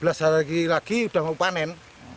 lima belas hari lagi udah mau panen